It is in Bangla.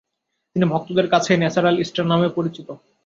তিনি ভক্তদের কাছে ন্যাচারাল স্টার নামেও পরিচিত।